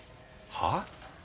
はぁ？